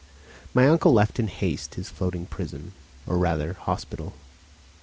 My uncle left in haste his floating prison, or rather hospital.